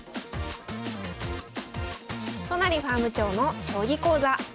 都成ファーム長の将棋講座。